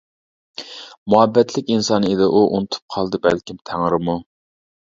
مۇھەببەتلىك ئىنسان ئىدى ئۇ، ئۇنتۇپ قالدى بەلكىم تەڭرىمۇ.